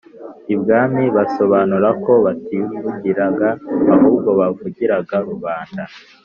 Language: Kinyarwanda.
i bwami basobanura ko bativugiraga ahubwo bavugiraga rubanda